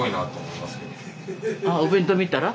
ああお弁当見たら？